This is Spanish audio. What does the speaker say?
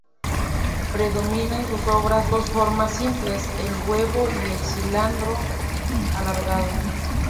Predomina en sus obras dos formas simples: el huevo y el cilindro alargado.